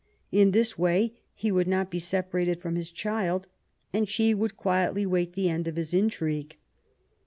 In this way he would not be separated from his child, and she would quietly wait the end of his intrigue.